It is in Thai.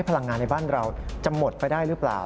พลังงานในบ้านเราจะหมดไปได้หรือเปล่า